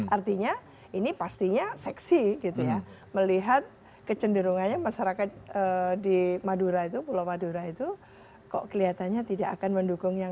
artinya ini pastinya seksi gitu ya melihat kecenderungannya masyarakat di madura itu pulau madura itu kok kelihatannya tidak akan mendukung yang